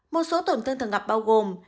một số tổn thương thường gặp bao gồm